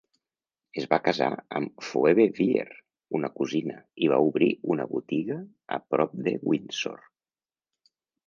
Es va casar amb Phoebe Wier, una cosina, i va obrir una botiga a prop de Windsor.